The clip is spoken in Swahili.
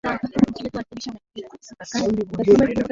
ya kuthibitisha matokeo hayo kwa macho yetu